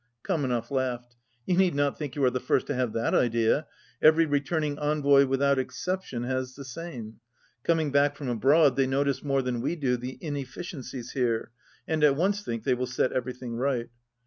Kamenev laughed. "You need not think you are the first to have that idea. Every returning envoy without exception has the same. Coming back from abroad they notice more than we do the inefEciencies here, and at once think they will set everything right.